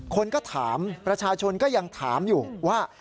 คนก็ถามประชาชนก็ยังถามอยู่ว่า